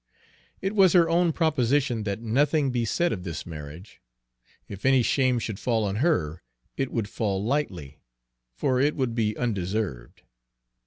It was her own proposition that nothing be said of this marriage. If any shame should fall on her, it would fall lightly, for it would be undeserved.